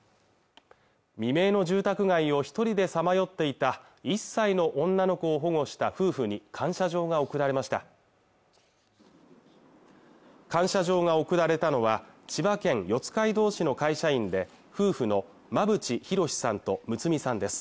未明の住宅街を一人でさまよっていた１歳の女の子を保護した夫婦に感謝状が贈られました感謝状が贈られたのは千葉県四街道市の会社員で夫婦の間渕洋さんと睦美さんです